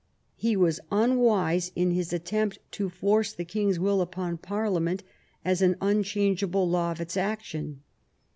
He was unwise in his attempt to force the king's will upon Parliament as an unchangeable law of its action.